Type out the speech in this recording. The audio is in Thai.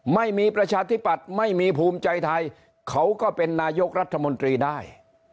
ประชาธิปัตย์ไม่มีภูมิใจไทยเขาก็เป็นนายกรัฐมนตรีได้